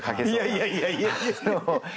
いやいやいやいや。